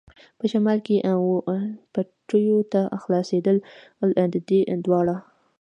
په شمال کې وه پټیو ته خلاصېدل، د دې دواړو.